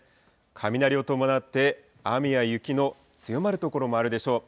雷を伴って、雨や雪の強まる所もあるでしょう。